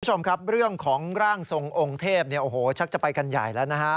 คุณผู้ชมครับเรื่องของร่างทรงองค์เทพชักจะไปกันใหญ่แล้วนะครับ